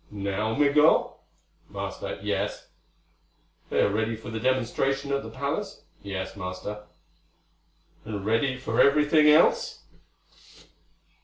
"Now, Migul?" "Master, yes." "They are ready for the demonstration at the palace?" "Yes, Master." "And ready for everything else?"